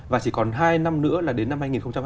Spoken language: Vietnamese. và chỉ còn hai năm nữa là đến năm hai nghìn hai mươi